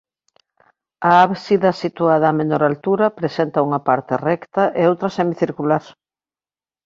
A ábsida situada a menor altura presenta unha parte recta e outra semicircular.